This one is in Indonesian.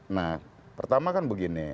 nah pertama kan begini